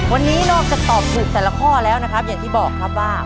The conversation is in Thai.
วันนี้นอกจากตอบถูกแต่ละข้อแล้วนะครับอย่างที่บอกครับว่า